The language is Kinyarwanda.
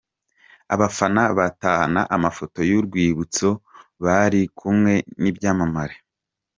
Abafana batahana amafoto y'urwibutso bari kumwe n'ibyamamare.